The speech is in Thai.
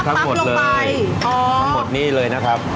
ทั้งหมดนี้เลยนะครับ